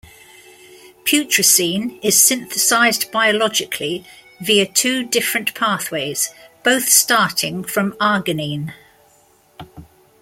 Putrescine is synthesized biologically via two different pathways, both starting from arginine.